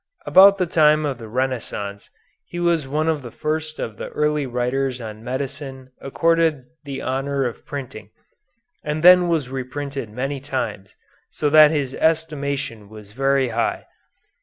About the time of the Renaissance he was one of the first of the early writers on medicine accorded the honor of printing, and then was reprinted many times, so that his estimation was very high.